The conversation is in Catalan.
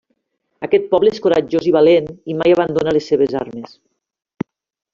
Aquest poble és coratjós i valent, i mai abandona les seves armes.